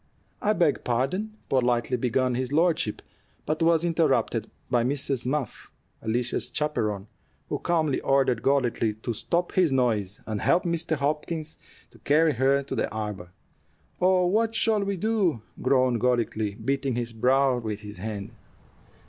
"I beg pardon " politely began his lordship, but was interrupted by Mrs. Muff, Alicia's chaperon, who calmly ordered Golightly to stop his noise, and help Mr. Hopkins carry her charge to the arbor. "Oh, what shall we do?" groaned Golightly, beating his brow with his hand.